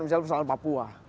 misalnya persoalan papua